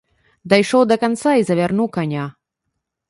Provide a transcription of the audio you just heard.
Дайшоў да канца і завярнуў каня.